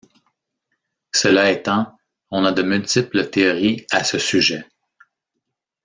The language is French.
Cela étant, on a de multiples théories à ce sujet.